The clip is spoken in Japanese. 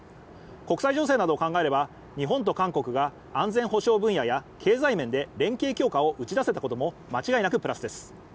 国際情勢などを考えれば日本と韓国が安全保障分野や経済面で連携強化を打ち出せたことも間違いなくプラスです。